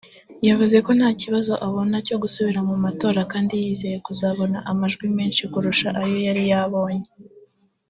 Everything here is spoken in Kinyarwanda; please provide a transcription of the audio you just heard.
yavuze ko nta kibazo abona cyo gusubira mu matora kandi yizeye kuzabona amajwi menshi kurusha ayo yari yabonye